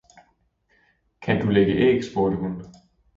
Kan du lægge æg? spurgte hun.